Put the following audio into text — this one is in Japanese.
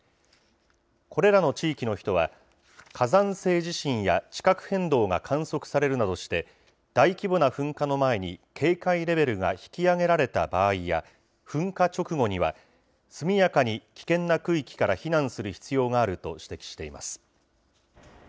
これらの地域の人は、火山性地震や地殻変動が観測されるなどして、大規模な噴火の前に、警戒レベルが引き上げられた場合や、噴火直後には、速やかに危険な区域から避難する必要があると指摘しています。